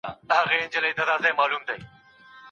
د افغان مشرانو غونډه د بشپړې تیاری په فضا کې ترسره شوه.